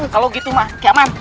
kalau gitu mah kiaman